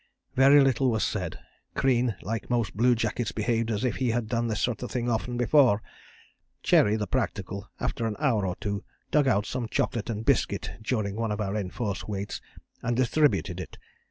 "Very little was said. Crean like most bluejackets behaved as if he had done this sort of thing often before. Cherry, the practical, after an hour or two dug out some chocolate and biscuit, during one of our enforced waits, and distributed it.